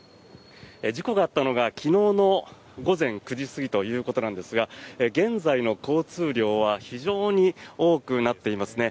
事故があったのが昨日の午前９時過ぎということなんですが現在の交通量は非常に多くなっていますね。